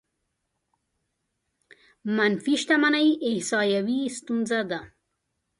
منفي شتمنۍ احصايوي ستونزه ده.